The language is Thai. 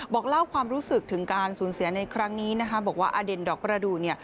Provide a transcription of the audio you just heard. บอกเล่าความรู้สึกถึงการสูญเสียในครั้งนี้นะคะบอกว่าอเด่นดอกประดูก